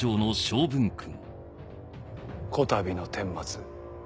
こたびの顛末